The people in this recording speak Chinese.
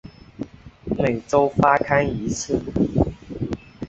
每周发刊一次。